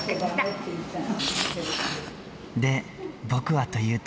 で、僕はというと。